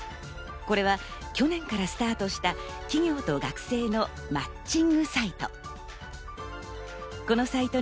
これは去年からスタートした企業と学生のマッチングサイト。